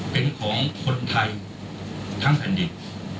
เป็นของคนไทยทั้งแผ่นดิน